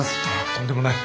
とんでもない。